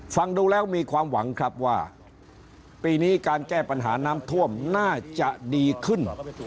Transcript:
ฟังดูแล้วมีความหวังครับว่าปีนี้การแก้ปัญหาน้ำท่วมน่าจะดีขึ้น